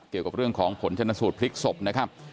เกี่ยวกับเรื่องของผลชนสูตรพลิกศพนะครับ